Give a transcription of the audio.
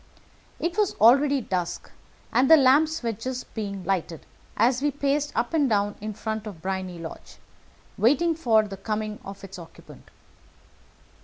It was already dusk, and the lamps were just being lighted as we paced up and down in front of Briony Lodge, waiting for the coming of its occupant.